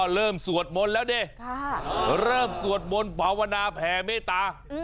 อ๋อเริ่มสวดมนตร์แล้วเนี่ยเริ่มสวดมนตร์ภาวนาแผ่เมตตา